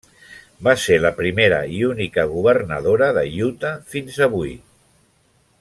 Va ser la primera i única governadora de Utah fins avui.